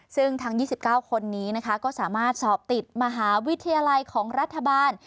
ซึ่งทั้ง๒๙คนนี้นะคะก็สามารถสอบติดมหาวิทยาลัยของรัฐบาล